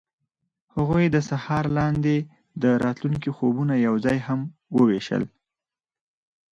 هغوی د سهار لاندې د راتلونکي خوبونه یوځای هم وویشل.